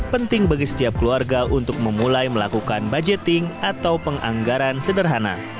penting bagi setiap keluarga untuk memulai melakukan budgeting atau penganggaran sederhana